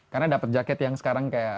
karena dapat jaket yang sekarang kayak